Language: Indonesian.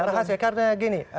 rahasia karena gini